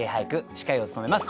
司会を務めます